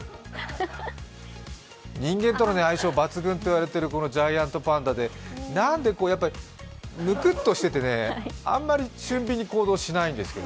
人間との相性抜群と言われているこのジャイアントパンダでむくっとしててね、あんまり俊敏に行動しないんですね。